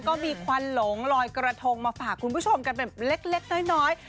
ก็มีควันหลงลอยกระทงมาฝากคุณผู้ชมกันเป็นเล็กเล็กน้อยน้อย